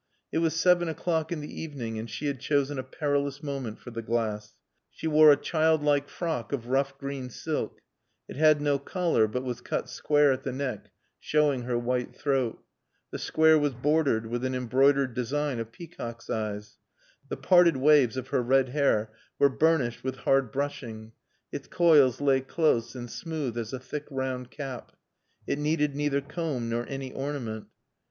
It was seven o'clock in the evening and she had chosen a perilous moment for the glass. She wore a childlike frock of rough green silk; it had no collar but was cut square at the neck showing her white throat. The square was bordered with an embroidered design of peacock's eyes. The parted waves of her red hair were burnished with hard brushing; its coils lay close, and smooth as a thick round cap. It needed neither comb nor any ornament.